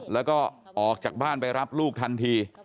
แล้วก็ออกจากบ้านไปรับลูกทันที